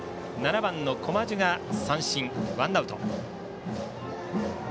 ７番の駒壽が三振、ワンアウト。